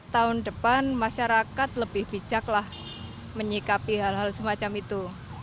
tahun depan masyarakat lebih bijak lah menyikapi hal hal semacam itu